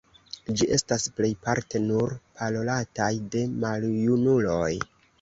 Ĝi estas plejparte nur parolataj de maljunuloj.